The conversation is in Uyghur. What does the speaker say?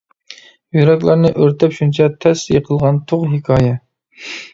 يۈرەكلەرنى ئۆرتەپ شۇنچە، تەس يېقىلغان تۇغ ھېكايە.